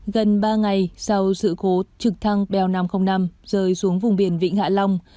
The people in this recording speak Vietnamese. gần ba ngày sau sự cố trực thăng bel năm trăm linh năm rơi xuống vùng biển vịnh hạ long